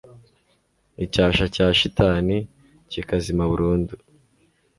icyasha cya shitani kikazima burundu